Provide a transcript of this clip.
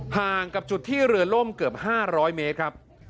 ห่างกับจุดที่เรือล่มเกือบ๕๐๐เมตรครับ